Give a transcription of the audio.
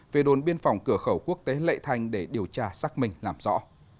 về đồn biên phòng cửa khẩu quốc tế lệ thành để điều tra xác minh làm rõ